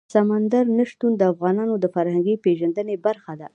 سمندر نه شتون د افغانانو د فرهنګي پیژندنې برخه ده.